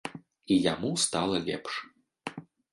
І яму стала лепш.